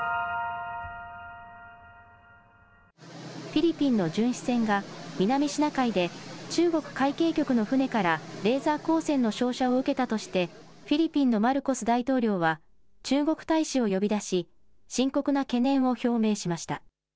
フィリピンの巡視船が、南シナ海で中国海警局の船から、レーザー光線の照射を受けたとして、フィリピンのマルコス大統領は中国大使を呼び出し、深刻な懸念を表明しました。